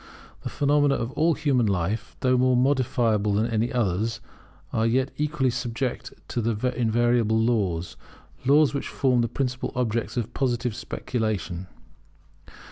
The phenomena of human life, though more modifiable than any others, are yet equally subject to invariable laws; laws which form the principal objects of Positive speculation.